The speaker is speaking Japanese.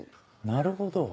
なるほど。